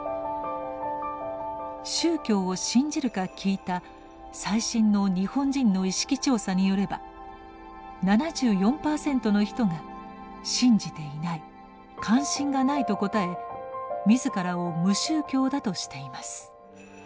宗教を信じるか聞いた最新の日本人の意識調査によれば７４％の人が「信じていない関心がない」と答え自らを無宗教だとしています。